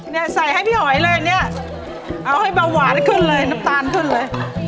เนี่ยใส่ให้พี่อ๋อยเลยเนี่ยเอาให้เบาหวานขึ้นเลยน้ำตาลขึ้นเลย